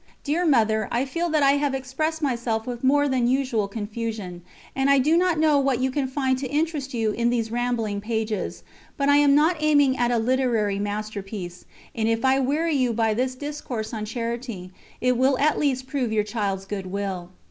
Dear Mother, I feel that I have expressed myself with more than usual confusion, and I do not know what you can find to interest you in these rambling pages, but I am not aiming at a literary masterpiece, and if I weary you by this discourse on charity, it will at least prove your child's good will.